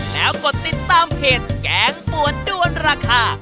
แล้วกดติดตามเพจแกงป่วนด้วนราคา